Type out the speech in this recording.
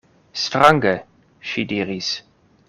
Strange, ŝi diris.